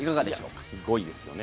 いや、すごいですよね。